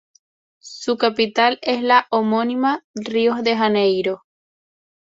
Su capital es la homónima Río de Janeiro.